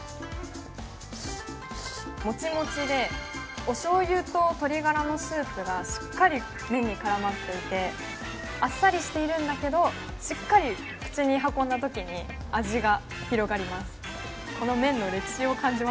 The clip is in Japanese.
もちもちで、おしょうゆと鶏がらのスープがしっかり麺にからまっていて、あっさりしてるんだけど、しっかり口に運んだときに味が広がります。